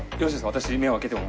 私目を開けても。